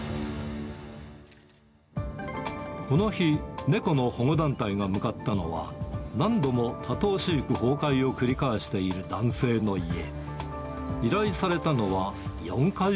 この日、猫の保護団体が向かったのは、何度も多頭飼育崩壊を繰り返している男性の家。